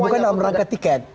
bukan dalam rangka tiket